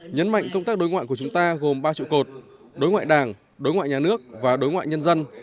nhấn mạnh công tác đối ngoại của chúng ta gồm ba trụ cột đối ngoại đảng đối ngoại nhà nước và đối ngoại nhân dân